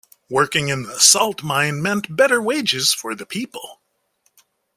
Working in the salt-mine meant better wages for the people.